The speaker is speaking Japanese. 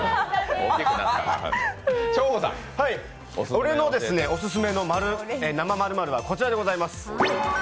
俺のオススメの生○○はこちらでございます。